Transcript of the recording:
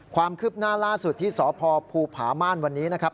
ความคืบหน้าล่าสุดที่สพภูผาม่านวันนี้นะครับ